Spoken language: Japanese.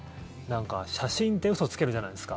写真って嘘つけるじゃないですか。